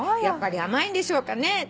「やっぱり甘いんでしょうかね」